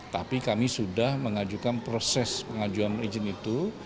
tapi kami sudah mengajukan proses pengajuan izin itu